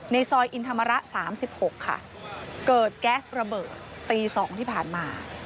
ซอยอินธรรมระ๓๖ค่ะเกิดแก๊สระเบิดตี๒ที่ผ่านมา